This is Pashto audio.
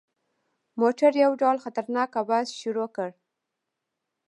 موټر یو ډول خطرناک اواز شروع کړ.